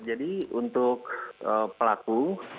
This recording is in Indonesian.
jadi untuk pelaku